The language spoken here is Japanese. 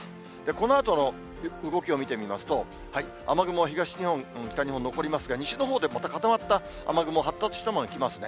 このあとの動きを見てみますと、雨雲は東日本、北日本、残りますが、西のほうでまた固まった雨雲、発達したものが来ますね。